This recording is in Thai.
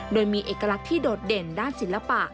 โดยมีเอกลักษณ์ที่โดดเด่นด้านศิลปะ